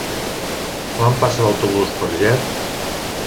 Quan passa l'autobús per Ger?